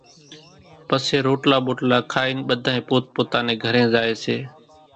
پسي روٽلا ٻوٽلا کائين ٻڌانئين پوت پوتا نين گھرين زائيَ سي۔